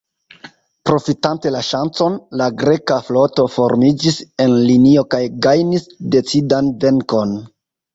Profitante la ŝancon, la greka floto formiĝis en linio kaj gajnis decidan venkon.